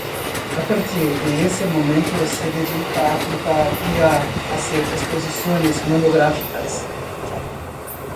A partir de ese momento, se dedica a pintar y a hacer exposiciones monográficas.